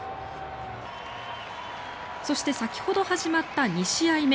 そして先ほど始まった２試合目。